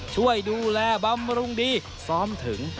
ช่วยดูแลบำรุงดีซ้อมถึง